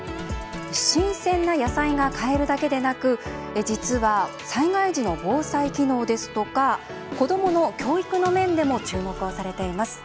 新鮮な野菜が買えるだけでなく実は災害時の防災機能ですとか子どもの教育の面でも注目をされています。